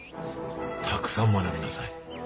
たくさん学びなさい。